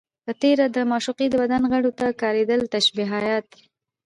په تېره، د معشوقې د بدن غړيو ته کارېدلي تشبيهات